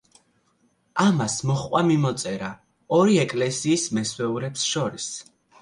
ამას მოჰყვა მიმოწერა ორი ეკლესიის მესვეურებს შორის.